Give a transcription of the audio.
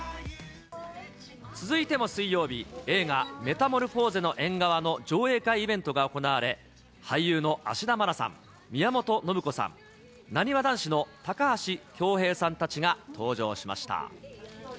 続いても水曜日、映画、メタモルフォーゼの縁側の上映会イベントが行われ、俳優の芦田愛菜さん、宮本信子さん、なにわ男子の高橋恭平さんたちが登場しました。